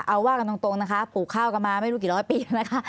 เอาว่ากันตรงนะคะปลูกข้าวกันมาไม่รู้กี่ร้อยปีแล้วนะคะ